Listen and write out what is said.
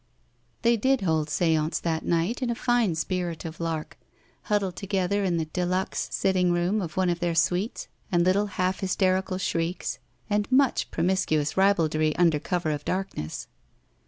They did hold s6ance that night in a fine spirit of lark, huddled together in the de4uxe sitting room of one of their suites, and little half hysterical shrieks 78 BACK PAY and much promiscuotis ribaldry under cover of darkness.